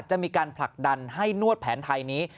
จะมีการผลักดันให้นวดแผนไทยนี้